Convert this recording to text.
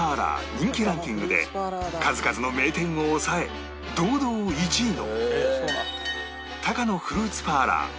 人気ランキングで数々の名店を抑え堂々１位の